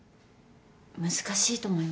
難しいと思います。